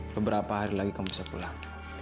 beberapa hari lagi kamu bisa pulang